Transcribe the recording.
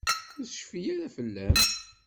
Ur tecfi ara fell-am.